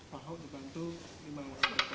pak ho dibantu lima orang palikota